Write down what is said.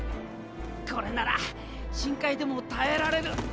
これなら深海でも耐えられる！